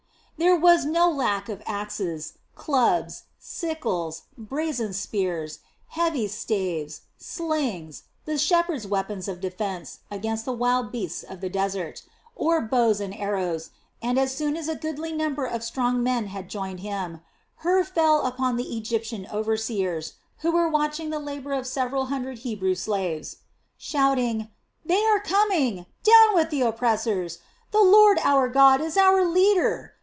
There was no lack of axes, clubs, sickles, brazen spears, heavy staves, slings, the shepherds' weapons of defence against the wild beasts of the desert, or bows and arrows, and as soon as a goodly number of strong men had joined him, Hur fell upon the Egyptian overseers who were watching the labor of several hundred Hebrew slaves. Shouting: "They are coming! Down with the oppressors! The Lord our God is our leader!"